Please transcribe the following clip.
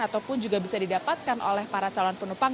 ataupun juga bisa didapatkan oleh para calon penumpang